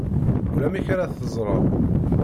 Ulamek ara teẓreḍ.